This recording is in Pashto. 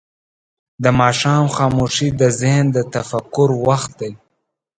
د ماښام خاموشي د ذهن د تفکر وخت دی.